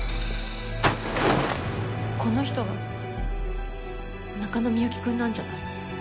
この人が中野幸くんなんじゃない？